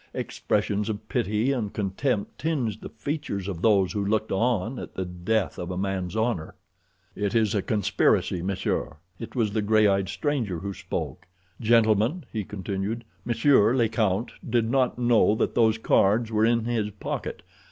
Expressions of pity and contempt tinged the features of those who looked on at the death of a man's honor. "It is a conspiracy, monsieur." It was the gray eyed stranger who spoke. "Gentlemen," he continued, "monsieur le count did not know that those cards were in his pocket.